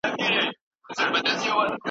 غوره لاره غوره کړئ.